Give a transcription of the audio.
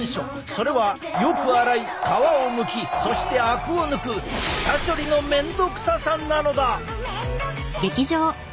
それはよく洗い皮をむきそしてあくを抜く下処理の面倒くささなのだ！